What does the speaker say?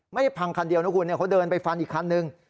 ไม่ได้พังคันเดียวนะคุณเนี่ยเขาเดินไปฟันอีกคันนึง